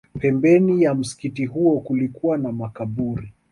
Pembeni ya msikiti huo kulikuwa na makaburi